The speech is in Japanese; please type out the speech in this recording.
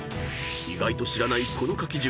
［意外と知らないこの書き順。